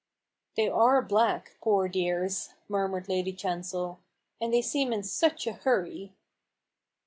" They are black, poor dears !" murmured Lady Chancel ;" and they seem in such a hurry."